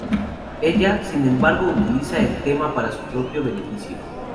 Ella, sin embargo, utiliza el tema para su propio beneficio.